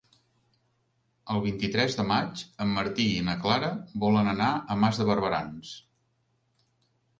El vint-i-tres de maig en Martí i na Clara volen anar a Mas de Barberans.